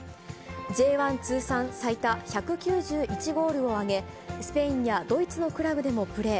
Ｊ１通算最多１９１ゴールを挙げ、スペインやドイツのクラブでもプレー。